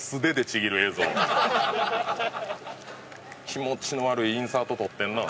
気持ちの悪いインサート撮ってるな。